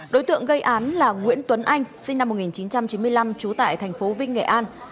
đối tượng gây án là nguyễn tuấn anh sinh năm một nghìn chín trăm chín mươi năm trú tại thành phố vinh nghệ an